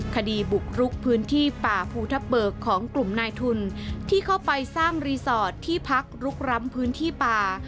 คดีบุกรุกพื้นที่ป่าภูทับเบิกของกลุ่มนายทุนที่เข้าไปสร้างรีสอร์ทที่พักลุกร้ำพื้นที่ป่า